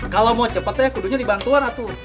kalau mau cepet ya kudunya dibantuan atuh